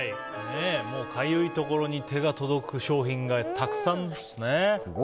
もうかゆいところに手が届く商品がたくさんですね。